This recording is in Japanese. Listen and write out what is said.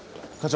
課長。